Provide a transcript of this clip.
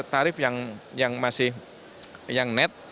tarif yang masih net